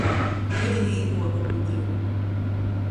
Rudinī i buoba gudra.